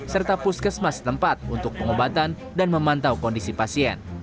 serta puskesmas tempat untuk pengobatan dan memantau kondisi pasien